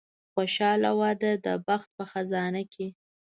خوشاله واده د بخت په خزانه کې.